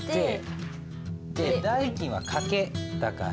代金は掛けだから。